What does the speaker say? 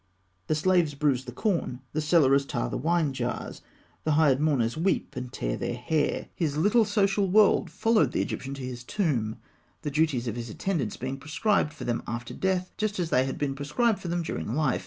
The slaves bruise the corn, the cellarers tar the wine jars, the hired mourners weep and tear their hair. His little social world followed the Egyptian to his tomb, the duties of his attendants being prescribed for them after death, just as they had been prescribed for them during life.